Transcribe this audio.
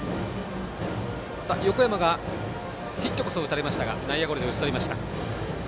横山がヒットこそ打たれましたが内野ゴロで打ち取りました。